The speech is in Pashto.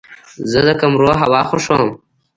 زه د کمرو هوا خوښوم.